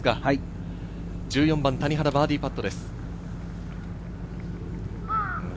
１４番、谷原バーディーパットです。